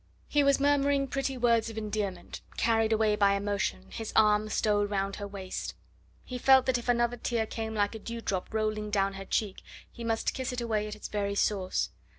He was murmuring pretty words of endearment; carried away by emotion, his arm stole round her waist; he felt that if another tear came like a dewdrop rolling down her cheek he must kiss it away at its very source.